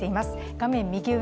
画面右上